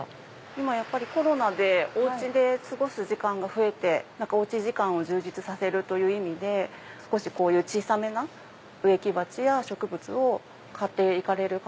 今コロナでお家で過ごす時間が増えてお家時間を充実させるという意味でこういう小さめな植木鉢や植物を買って行かれる方。